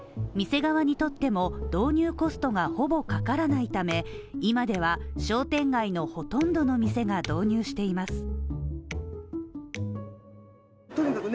店側にとっても導入コストがほぼかからないため今では商店街のほとんどの店が導入しています。